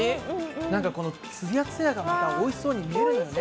なんかこのつやつやがまたおいしそうに見えるのよね。